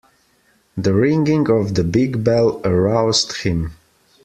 The ringing of the big bell aroused him.